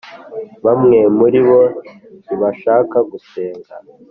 bamwe muri bo ntibashaka gusenga